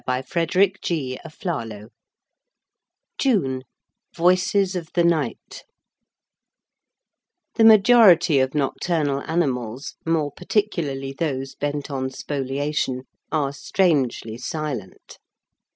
JUNE VOICES OF THE NIGHT VOICES OF THE NIGHT The majority of nocturnal animals, more particularly those bent on spoliation, are strangely silent.